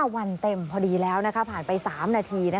วันเต็มพอดีแล้วผ่านไป๓นาที